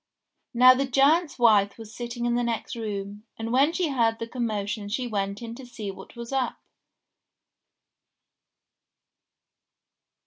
Now the giant's wife was sitting in the next room, and when she heard the commotion she went in to see what was up.